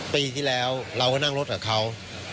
ปีที่แล้วเราก็นั่งรถกับเขา